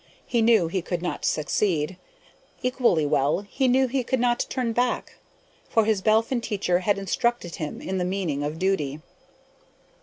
He knew he could not succeed; equally well, he knew he could not turn back, for his Belphin teacher had instructed him in the meaning of duty.